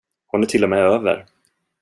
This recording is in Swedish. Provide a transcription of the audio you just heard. Hon är till och med över.